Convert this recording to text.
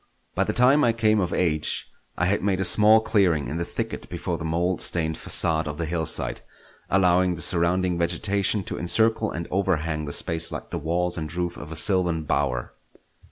By the time I came of age, I had made a small clearing in the thicket before the mould stained facade of the hillside, allowing the surrounding vegetation to encircle and overhang the space like the walls and roof of a sylvan bower.